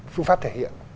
phương pháp thể hiện